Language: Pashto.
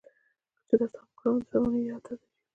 چې د اصحابو کرامو د زمانې ياد تازه شي.